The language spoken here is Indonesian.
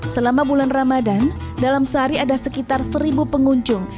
selama bulan ramadhan dalam sehari ada sekitar seribu pengunjung